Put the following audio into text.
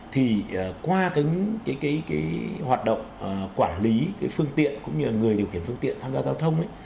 thì qua hoạt động quản lý phương tiện cũng như là người điều khiển phương tiện tham gia giao thông